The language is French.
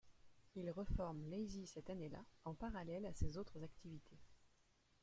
Il reforme Lazy cette année-là, en parallèle à ses autres activités.